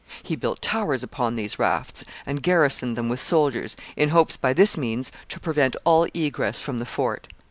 He built towers upon these rafts, and garrisoned them with soldiers, in hopes by this means to prevent all egress from the fort.